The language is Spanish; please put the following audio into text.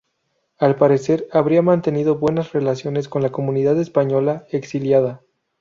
Al parecer, habría mantenido buenas relaciones con la comunidad española exiliada.